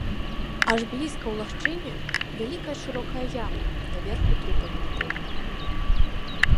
Аж блізка ў лагчыне вялікая шырокая яма, даверху трупамі напоўненая.